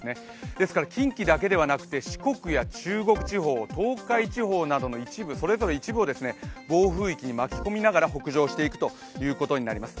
ですから近畿だけではなくて四国や中国地方、東海地方などの一部それぞれ一部を暴風域に巻き込みながら北上していくということになります。